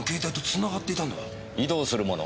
移動するもの